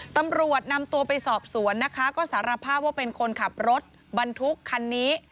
ตำรวจนำตัวไปสอบสวนนะคะก็สารภาพว่าเป็นคนขับรถบรรทุกคันนี้